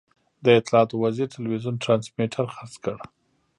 د اطلاعاتو وزیر ټلوېزیون ټرانسمیټر خرڅ کړ.